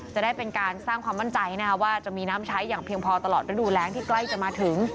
จะได้เป็นการสร้างความมั่นใจว่าจะมีน้ำใช้อย่างเพียงพอตลอดฤดูแรงที่ใกล้จะมาถึง